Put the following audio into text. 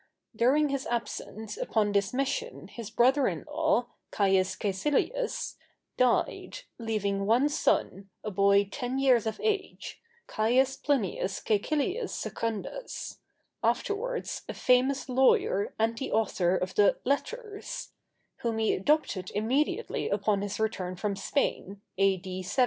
During his absence upon this mission his brother in law, Caius Cæcilius, died, leaving one son, a boy ten years of age, Caius Plinius Cæcilius Secundus—afterwards a famous lawyer and the author of the "Letters"—whom he adopted immediately upon his return from Spain, A.D. 70.